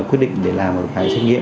quyết định để làm một cái xét nghiệm